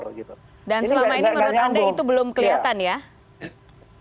selama ini menurut anda itu belum kelihatan ya